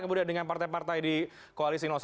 kemudian dengan partai partai di koalisi satu